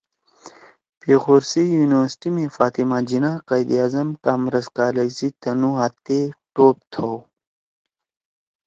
پیخور سی یونیورسٹی می فاطمہ جناح قائداعظم کامرس کالج سی تنُو ہات تے ٹوپ تھؤ